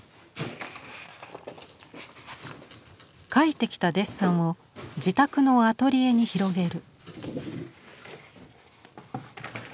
描いてきたデッサンを自宅のアトリエに広げる。